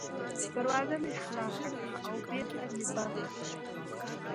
دروازه مې خلاصه کړه او بېرته مې بنده کړه.